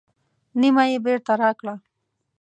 نیمه یې بېرته راکړه.